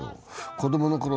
子供のころ